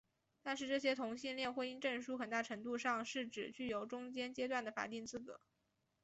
但是这些同性恋婚姻证书很大程度上是只具有中间阶段的法定资格。